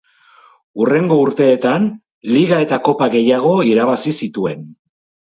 Hurrengo urteetan Liga eta Kopa gehiago irabazi zituen.